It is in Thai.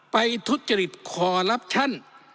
ไปทุจริตขอรับชั้น